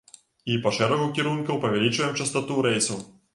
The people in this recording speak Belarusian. І па шэрагу кірункаў павялічваем частату рэйсаў.